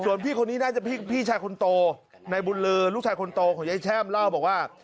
ส่วนพี่คนนี้น่าจะพี่ชายคนโตนายบุญลือลูกชายคนโตของยายแช่มเล่าบอกว่า